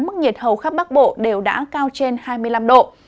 mức nhiệt hầu khắp bắc bộ đều đã cao trên hai mươi năm độ